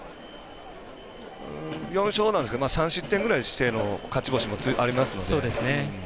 ４勝なんですけど３失点ぐらいしての勝ち星もあるので。